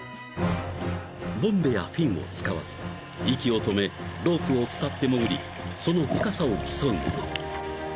［ボンベやフィンを使わず息を止めロープを伝って潜りその深さを競うもの］